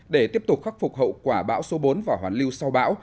để tiếp tục khắc phục hậu quả bão số bốn và hoàn lưu sau bão